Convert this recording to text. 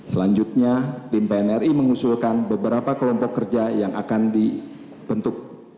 selanjutnya tim pnri mengusulkan beberapa kelompok kerja yang akan dibentuk